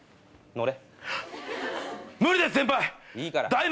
乗れ。